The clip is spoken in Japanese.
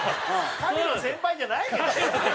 神の先輩じゃないけどね。